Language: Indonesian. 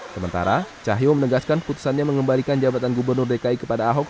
sementara cahyo menegaskan putusannya mengembalikan jabatan gubernur dki kepada ahok